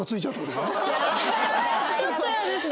ちょっと嫌ですね。